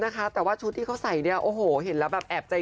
นะคะแต่ว่าชุดที่เขาใส่เนี่ยโอ้โหเห็นแล้วแบบแอบใจ